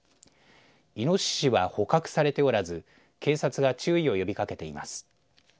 いのししは捕獲されておらず警察が注意を呼びかけています。